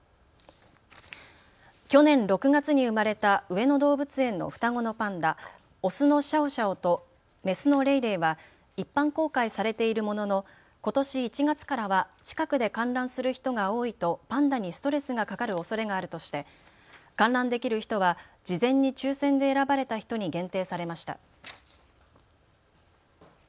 去年６月に生まれた上野動物園の双子のパンダ、オスのシャオシャオとメスのレイレイは一般公開されているものの、ことし１月からは近くで観覧する人が多いとパンダにストレスがかかるおそれがあるとして観覧できる人は事前に抽せんで選ばれた人に限定されました。